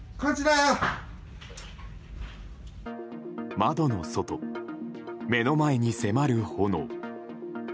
窓の外、目の前に迫る炎。